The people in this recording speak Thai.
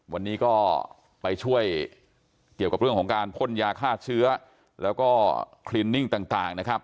วันนี้ก็ไปช่วยเกี่ยวกับเรื่องของการพ่นยาฆ่าเชื้อแล้วก็คลินิ่งต่างนะครับ